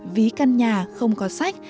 ví căn nhà không có sách